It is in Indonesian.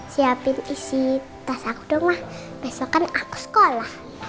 siapin isi tas aku dong mah besok kan aku sekolah